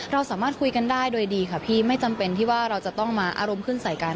เราสามารถคุยกันได้โดยดีค่ะพี่ไม่จำเป็นที่ว่าเราจะต้องมาอารมณ์ขึ้นใส่กัน